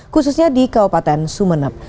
khususnya di kabupaten sumeneb